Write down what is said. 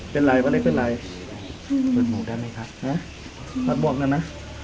เป็นไรเป็นไรเปิดหมูได้ไหมครับฮะพัดหมวกหน่อยนะ